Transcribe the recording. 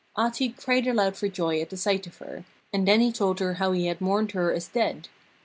Ahti cried aloud for joy at the sight of her, and then he told her how he had mourned her as dead.